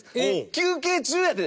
休憩中やで？